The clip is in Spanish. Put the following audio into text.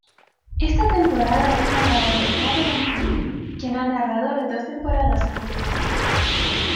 Esta temporada es narrada por Caroline Craig, quien ha narrado las dos temporadas anteriores.